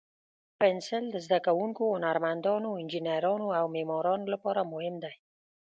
پنسل د زده کوونکو، هنرمندانو، انجینرانو، او معمارانو لپاره مهم دی.